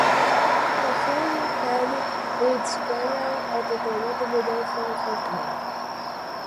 The film had its premiere at the Montevideo film festival.